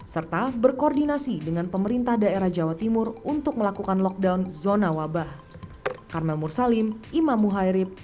serta berkoordinasi dengan pemerintah daerah jawa timur untuk melakukan lockdown zona wabah